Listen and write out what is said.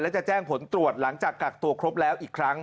และจะแจ้งผลตรวจหลังจากกักตัวครบแล้วอีกครั้ง